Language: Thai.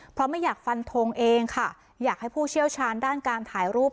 เพราะไม่อยากฟันทงเองค่ะอยากให้ผู้เชี่ยวชาญด้านการถ่ายรูป